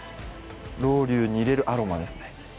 ロウリュウに入れるアロマですね。